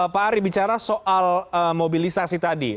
pak ari bicara soal mobilisasi tadi